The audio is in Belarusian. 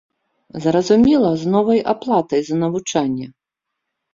Зразумела, з новай аплатай за навучанне.